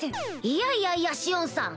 いやいやいやシオンさん